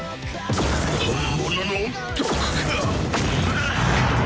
本物の毒か！